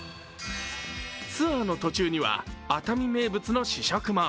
ツアーの途中には熱海名物の試食も。